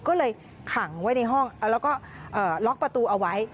ก็เลยขังไว้ในห้องแล้วก็ล็อกประตูเอาไว้